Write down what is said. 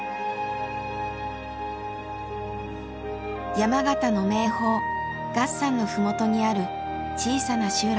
山形の名峰月山の麓にある小さな集落。